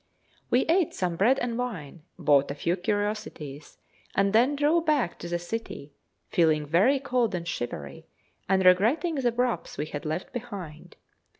We ate some bread and wine, bought a few curiosities, and then drove back to the city, feeling very cold and shivery and regretting the wraps we had left behind.